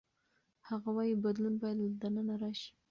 هغه وايي بدلون باید له دننه راشي.